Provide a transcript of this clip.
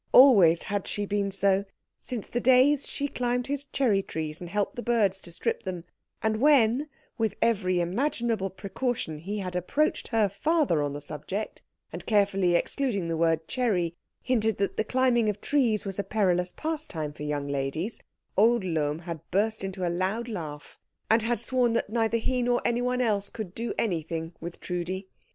Always had she been so, since the days she climbed his cherry trees and helped the birds to strip them; and when, with every imaginable precaution, he had approached her father on the subject, and carefully excluding the word cherry hinted that the climbing of trees was a perilous pastime for young ladies, old Lohm had burst into a loud laugh, and had sworn that neither he nor anyone else could do anything with Trudi.